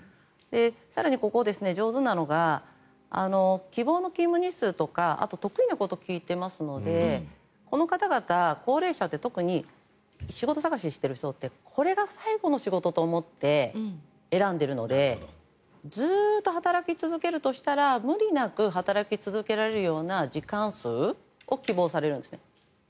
更に、ここ、上手なのが希望の勤務日数とかあとは得意なことを聞いていますのでこの方々、高齢者って特に仕事探ししてる人ってこれが最後の仕事と思って選んでいるのでずっと働き続けるとしたら無理なく働き続けられるような時間数を希望されるんです。